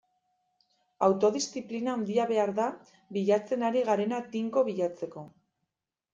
Autodiziplina handia behar da bilatzen ari garena tinko bilatzeko.